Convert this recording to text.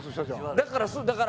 だから、だから。